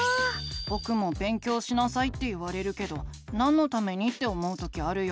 ぼくも「勉強しなさい」って言われるけどなんのためにって思う時あるよ。